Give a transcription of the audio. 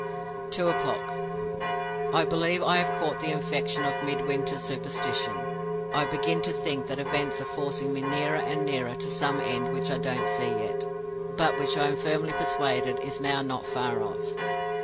"Two o'clock. I believe I have caught the infection of Midwinter's superstition. I begin to think that events are forcing me nearer and nearer to some end which I don't see yet, but which I am firmly persuaded is now not far off.